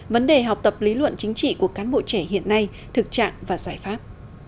vấn đề học tập lý luận chính trị của cán bộ trẻ hiện nay thực trạng và giải pháp